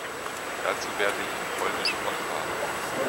Dazu werde ich in Polnisch fortfahren.